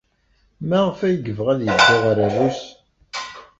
Maɣef ay yebɣa ad yeddu ɣer Rrus?